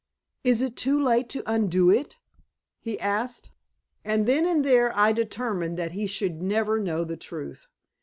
"Is it too late to undo it?" he asked. And then and there I determined that he should never know the truth.